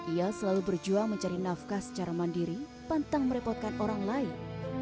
ia selalu berjuang mencari nafkah secara mandiri pantang merepotkan orang lain